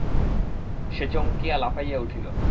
সে চমকিয়া লাফাইয়া উঠিল।